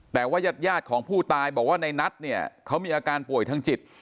แต่ว่ายาดของผู้ตายบอกว่าในนัทเนี่ยเขามีอาการป่วยทางจิต